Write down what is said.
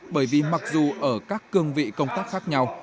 bởi vì mặc dù ở các cương vị công tác khác nhau